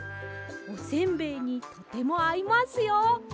おせんべいにとてもあいますよ。